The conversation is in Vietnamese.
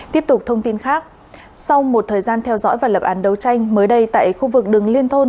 tiếp tục thông tin khác sau một thời gian theo dõi và lập án đấu tranh mới đây tại khu vực đường liên thôn